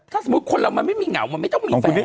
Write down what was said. ถ้าสมมุติคนเรามันไม่มีเหงามันไม่ต้องมีแฟน